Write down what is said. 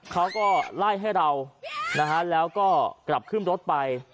เขาก็ไล่ให้เรานะฮะแล้วก็กลับขึ้นรถไป